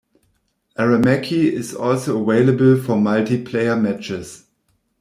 Aramaki is also available for multiplayer matches.